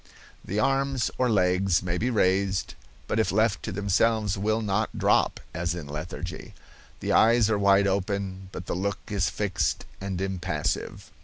The arms or legs may be raised, but if left to themselves will not drop, as in lethargy. The eyes are wide open, but the look is fixed and impassive.